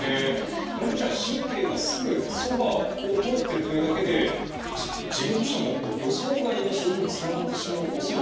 本当にじゃあ神経がすぐそばを通っているというだけで自分としてはもう予想外の症状につながってしまうおそれもあるんですか？